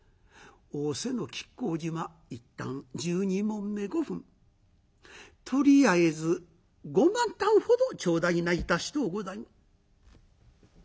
仰せの亀甲縞１反１２匁５分とりあえず５万反ほど頂戴ないたしとうござい」。